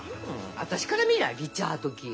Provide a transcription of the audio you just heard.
私から見りゃリチャード・ギア。